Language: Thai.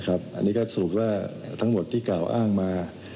อันนี้ก็สรุปว่าทั้งหมดที่กล่าวอ้างมา